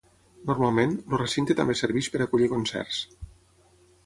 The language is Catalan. Normalment, el recinte també serveix per acollir concerts.